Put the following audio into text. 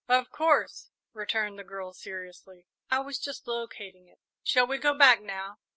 "Of course," returned the girl, seriously; "I was just locating it." "Shall we go back, now?"